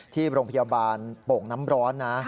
ที่โรงพยาบาลโป่งน้ำร้อนนะ